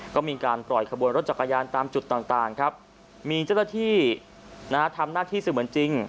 ก็มีการปล่อยขบวนรถจักรยานตามจุดต่างครับมีเจ้าหน้าที่ทำหน้าที่เสมือนจริง